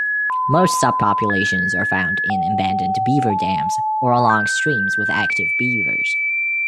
Most subpopulations are found in abandoned beaver dams or along streams with active beavers.